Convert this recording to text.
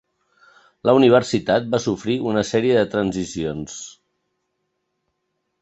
La universitat va sofrir una sèrie de transicions.